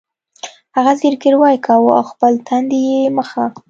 هغه زګیروی کاوه او خپل تندی یې مښه